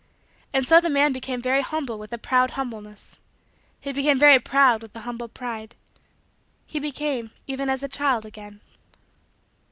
And so the man became very humble with a proud humbleness. He became very proud with a humble pride. He became even as a child again.